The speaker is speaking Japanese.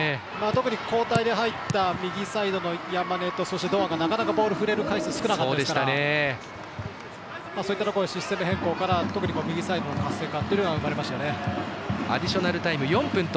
特に交代で入った右サイドの山根とそして堂安が、なかなかボールに触れる機会なかったですからそういったところのシステム変更から右サイドの活性化が生まれました。